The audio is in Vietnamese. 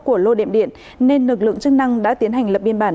của lô đệm điện nên lực lượng chức năng đã tiến hành lập biến